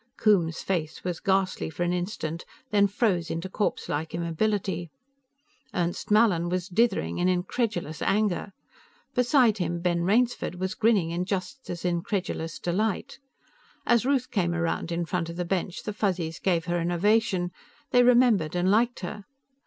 Coombes's face was ghastly for an instant, then froze into corpselike immobility: Ernst Mallin was dithering in incredulous anger; beside him Ben Rainsford was grinning in just as incredulous delight. As Ruth came around in front of the bench, the Fuzzies gave her an ovation; they remembered and liked her.